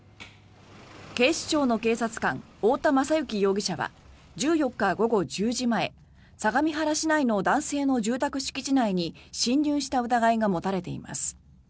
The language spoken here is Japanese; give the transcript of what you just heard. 警視庁の警察官太田優之容疑者は１４日午後１０時前相模原市内の男性の住宅敷地内に侵入した疑いが持たれています。